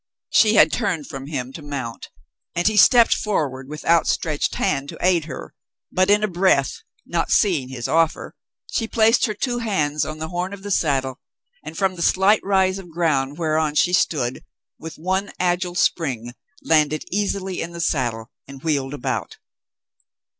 She had turned from him to mount, and he stepped forward with outstretched hand to aid her, but, in a breath, not seeing his offer, she placed her two hands on the horn of the saddle, and from the slight rise of ground whereon 88 The Mountain Girl she stood, with one agile spring, landed easily in the saddle and wheeled about.